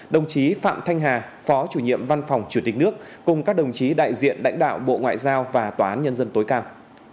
đồng chí phạm thanh hà phó chủ nhiệm văn phòng chủ tịch nước cùng các đồng chí đại diện lãnh đạo bộ ngoại giao và tòa án nhân dân tối cao